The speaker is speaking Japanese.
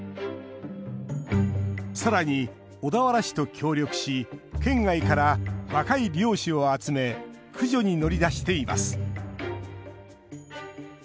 さらに、小田原市と協力し県外から若い猟師を集め駆除に乗り出しています。